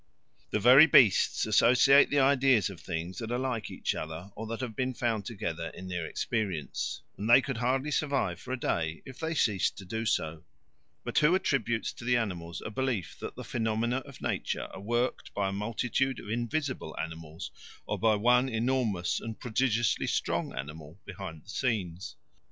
The very beasts associate the ideas of things that are like each other or that have been found together in their experience; and they could hardly survive for a day if they ceased to do so. But who attributes to the animals a belief that the phenomena of nature are worked by a multitude of invisible animals or by one enormous and prodigiously strong animal behind the scenes?